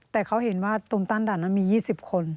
แต่เขาเห็นว่าตรงต้านด่านนั้นมี๒๐คน